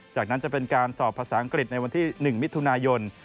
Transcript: จากนั้นจะเป็นการสอบภาษาอังกฤษในวันที่๑มิถุนายน